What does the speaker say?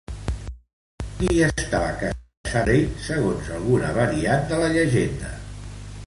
Amb qui estava casat el rei, segons alguna variant de la llegenda?